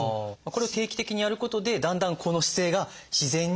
これを定期的にやることでだんだんこの姿勢が自然に。